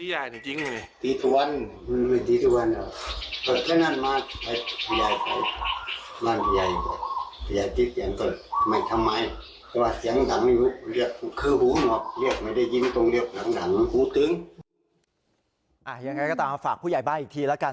ยังไงก็ตามมาฝากผู้ใหญ่บ้านอีกทีแล้วกัน